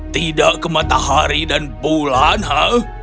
tidak ke matahari dan bulan ha